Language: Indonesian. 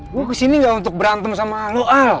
gue kesini gak untuk berantem sama lo al